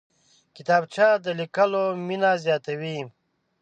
کتابچه د لیکلو مینه زیاتوي